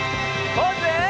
ポーズ！